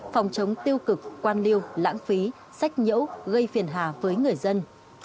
phòng chống tiêu cực quan liêu lãng phí sách nhiễu gây phiền hà với người dân